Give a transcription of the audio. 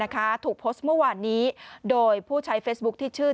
ถูกโพสต์เมื่อวานนี้โดยผู้ใช้เฟซบุ๊คที่ชื่อ